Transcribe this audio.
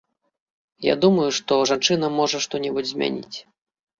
Я думаю, што жанчына можа што-небудзь змяніць.